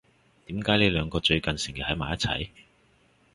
點解你兩個最近成日喺埋一齊？